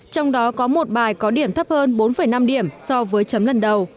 trong đó có một bài có điểm thấp hơn